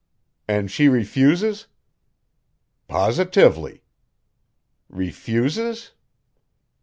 "And she refuses?" "Positively." "Refuses?"